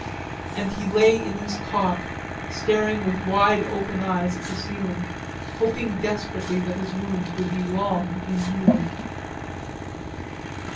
And he lay in his cot, staring with wide open eyes at the ceiling, hoping desperately that his wounds would be long in healing.